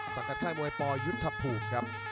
ซังกัดค่ายมัวยปอยุฏฐพุกครับ